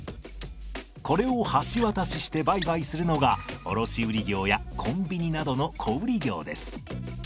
これを橋渡しして売買するのが卸売業やコンビニなどの小売業です。